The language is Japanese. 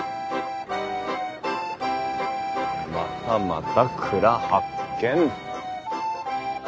またまた蔵発見。